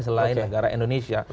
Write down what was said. selain negara indonesia